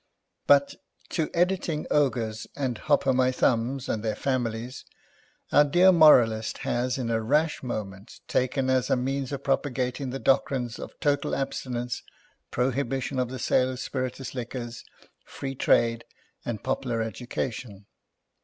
But, to "editing" Ogres, and Hop o' my thumbs, and their families, our dear moralist has in a rash moment taken, as a means of propagating the doctrines of Total Abstinence, Prohibition of the sale of spirit uous liquors. Free Trade, and Popular Edu cation.